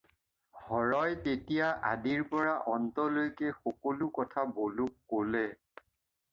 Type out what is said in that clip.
হৰই তেতিয়া আদিৰ পৰা অন্তলৈকে সকলো কথা বলোক ক'লে।